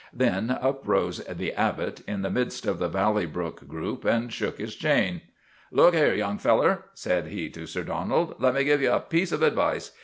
Then up rose The Abbot, in the midst of the Valley Brook group, and shook his chain. * Look here, young feller !" said he to Sir Donald. ' Let me give you a piece of advice.